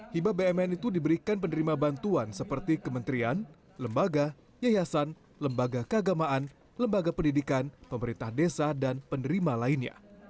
hibah bmn itu diberikan penerima bantuan seperti kementerian lembaga yayasan lembaga keagamaan lembaga pendidikan pemerintah desa dan penerima lainnya